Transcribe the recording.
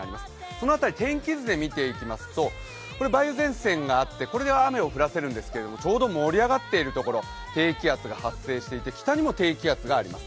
その辺り、天気図で見ていきますと梅雨前線があって、これが雨を降らせるんですけれども、ちょうど盛り上がっているところ低気圧が発生していて北にも低気圧があります